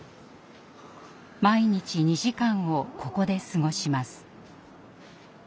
毎日２時間をここで過ごします。